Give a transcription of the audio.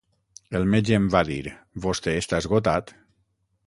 El metge em va dir: 'Vostè està esgotat.